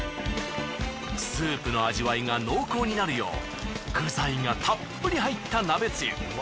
スープの味わいが濃厚になるよう具材がたっぷり入った鍋つゆ。